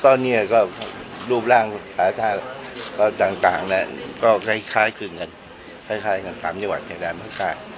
ตอนนี้ก็รูปร่างหาท่าต่างก็คล้ายคลึงกันคล้ายกัน๓จังหวัดชายแดนภาคใต้